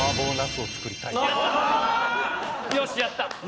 拭よしやった！